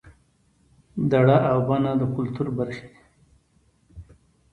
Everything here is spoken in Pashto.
دړه او بنه د کولتور برخې دي